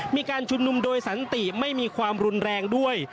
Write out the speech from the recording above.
มีการชุมนุมโดยสันติไม่มีความรุนแรงด้วย